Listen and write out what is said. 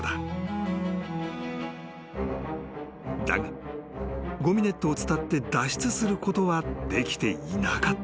［だがごみネットを伝って脱出することはできていなかった］